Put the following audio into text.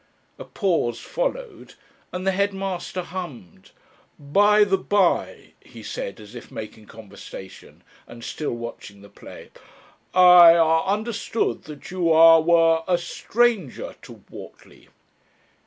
A pause followed and the headmaster hummed. "By the bye," he said, as if making conversation and still watching the play; "I, ah, understood that you, ah were a stranger to Whortley."